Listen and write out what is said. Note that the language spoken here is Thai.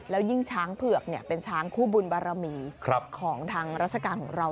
แล้วยิ่งช้างเผือกเป็นช้างคู่บุญบารมีของทางราชการของเรา